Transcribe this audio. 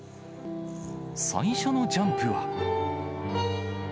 最初のジャンプは。